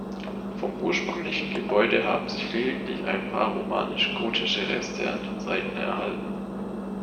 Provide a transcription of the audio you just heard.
Vom ursprünglichen Gebäude haben sich lediglich ein paar romanisch-gotische Reste an den Seiten erhalten.